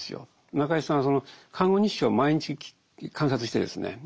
中井さんはその看護日誌を毎日観察してですね